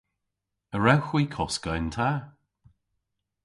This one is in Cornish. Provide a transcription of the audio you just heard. A wrewgh hwi koska yn ta?